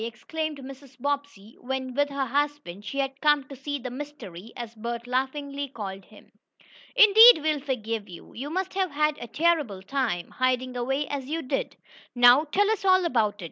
exclaimed Mrs. Bobbsey when, with her husband, she had come to see the "mystery," as Bert laughingly called him. "Indeed we'll forgive you. You must have had a terrible time, hiding away as you did. Now tell us all about it.